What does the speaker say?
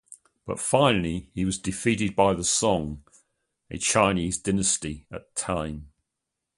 But finally he was defeated by the Song, a Chinese dynasty at that times.